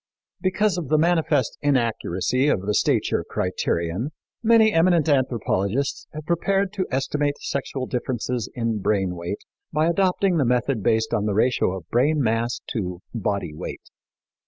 Because of the manifest inaccuracy of the stature criterion, many eminent anthropologists have prepared to estimate sexual differences in brain weight by adopting the method based on the ratio of brain mass to body weight.